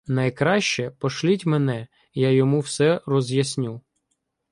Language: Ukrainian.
Найкраще — пошліть мене, я йому все роз'ясню.